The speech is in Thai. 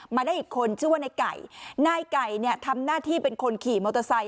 มาได้อีกคนชื่อว่านายไก่นายไก่เนี่ยทำหน้าที่เป็นคนขี่มอเตอร์ไซค